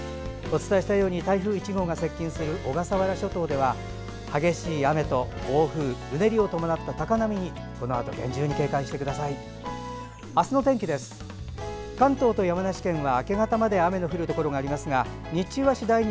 お伝えしたように台風１号が接近する小笠原諸島では激しい雨と暴風うねりを伴った高波に厳重に警戒してください。